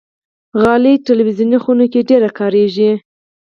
غالۍ د تلویزون خونه کې ډېره کاریږي.